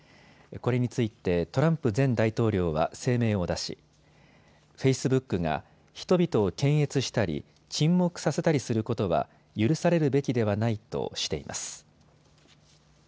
これについてトランプ前大統領は声明を出しフェイスブックが人々を検閲したり沈黙させたりすることは許されるべきではないとしています。